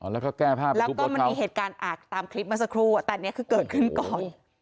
แล้วก็มีเหตุการณ์อากตามคลิปมาสักครู่แต่นี้คือเกิดขึ้นก่อน